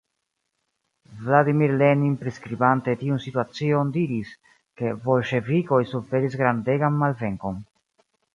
Vladimir Lenin priskribante tiun situacion diris, ke ""bolŝevikoj suferis grandegan malvenkon"".